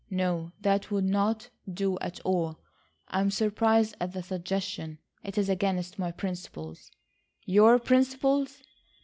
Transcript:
No, that would not do at all. I'm surprised at the suggestion. It is against my principles." "Your principles!"